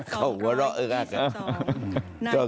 เขาหัวเราะอึ๊กอัด